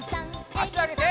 あしあげて。